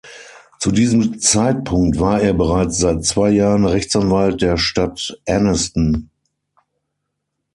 Zu diesem Zeitpunkt war er bereits seit zwei Jahren Rechtsanwalt der Stadt Aniston.